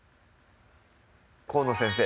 河野先生